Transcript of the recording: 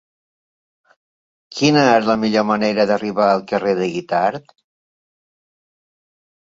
Quina és la millor manera d'arribar al carrer de Guitard?